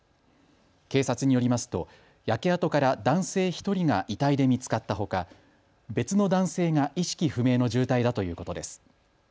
警察によりますと焼け跡から男性１人が遺体で見つかったほか別の男性が意識不明の重体だということです。